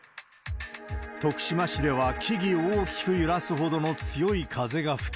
徳島市では、木々を大きく揺らすほどの強い風が吹き。